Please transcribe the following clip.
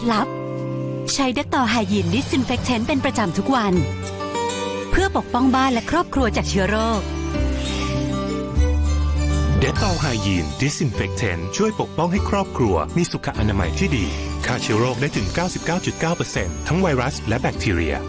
และแบคทีเรีย